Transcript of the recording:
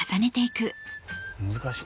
難しい。